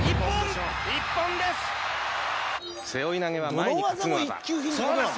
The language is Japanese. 背負い投げは前に担ぐ技。